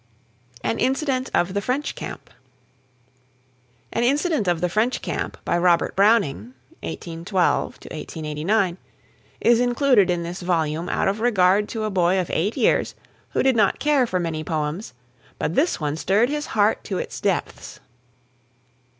AN INCIDENT OF THE FRENCH CAMP. "An Incident of the French Camp," by Robert Browning (1812 89), is included in this volume out of regard to a boy of eight years who did not care for many poems, but this one stirred his heart to its depths.